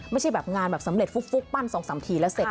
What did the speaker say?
ไม่ใช่แบบงานแบบสำเร็จฟุกปั้น๒๓ทีแล้วเสร็จ